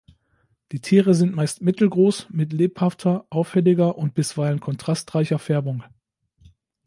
Die Tiere sind meist mittelgroß mit lebhafter, auffälliger und bisweilen kontrastreicher Färbung.